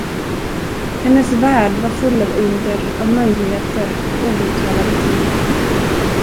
Hennes värld var full av under, av möjligheter, outtalade ting.